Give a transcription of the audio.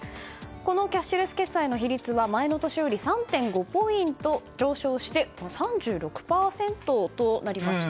このキャッシュレス決済の比率は前の年より３．５ポイント上昇して３６％となりました。